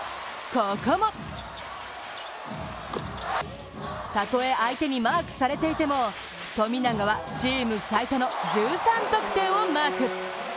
ここも、たとえ相手にマークされていても富永はチーム最多の１３得点をマーク。